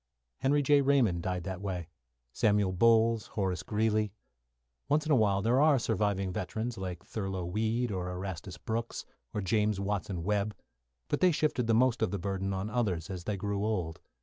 Henry J. Raymond died that way, Samuel Bowles, Horace Greeley. Once in a while there are surviving veterans like Thurlow Weed, or Erastus Brooks, or James Watson Webb but they shifted the most of the burden on others as they grew old.